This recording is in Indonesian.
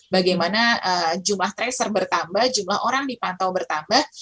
bagaimana jumlah tracer bertambah jumlah orang dipantau bertambah